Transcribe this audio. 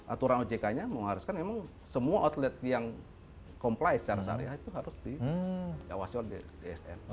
aturan ojk nya mengharuskan memang semua outlet yang comply secara syariah itu harus diawasi oleh dsn